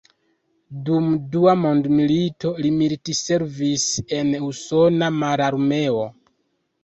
Dum Dua Mondmilito li militservis en usona mararmeo.